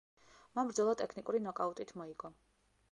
მან ბრძოლა ტექნიკური ნოკაუტით მოიგო.